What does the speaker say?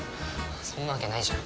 そんなわけないじゃん。